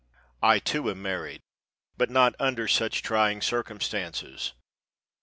I, too, am married, but not under such trying circumstances.